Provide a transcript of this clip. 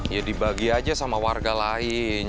ya dibagi aja sama warga lain